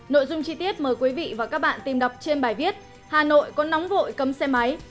nội dung chi tiết mời quý vị và các bạn tìm đọc trên bài viết hà nội có nóng vội cấm xe máy